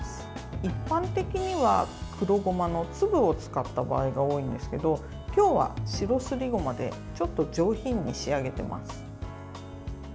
一般的には黒ごまの粒を使った場合が多いんですけど今日は白すりごまでちょっと上品に仕上げています。